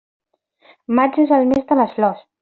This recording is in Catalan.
Maig és el mes de les flors.